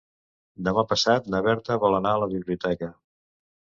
Demà passat na Berta vol anar a la biblioteca.